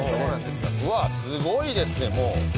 うわっすごいですねもう。